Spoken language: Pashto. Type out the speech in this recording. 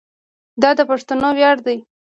دا د پښتنو ویاړ دی.